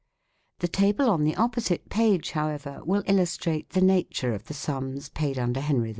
The table on the opposite page, however, will illustrate the nature of the sums paid under Henry II.